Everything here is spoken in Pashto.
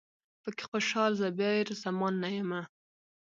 پکې خوشال، زبیر زمان نه یمه